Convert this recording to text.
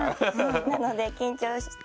なので緊張して。